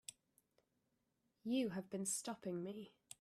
You have been stopping me.